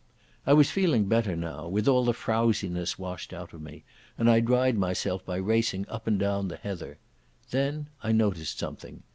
I was feeling better now, with all the frowsiness washed out of me, and I dried myself by racing up and down the heather. Then I noticed something.